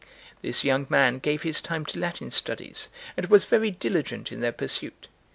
This young man gave his time to Latin studies, and was very diligent in their pursuit.